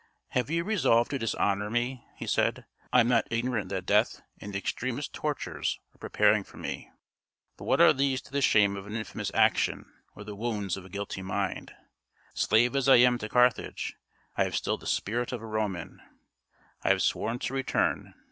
"Have you resolved to dishonor me?" he said. "I am not ignorant that death and the extremest tortures are preparing for me; but what are these to the shame of an infamous action, or the wounds of a guilty mind? Slave as I am to Carthage, I have still the spirit of a Roman. I have sworn to return.